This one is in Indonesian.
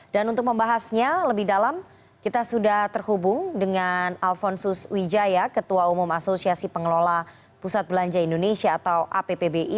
dan untuk membahasnya lebih dalam kita sudah terhubung dengan alfon sus wijaya ketua umum asosiasi pengelola pusat belanja indonesia atau appbi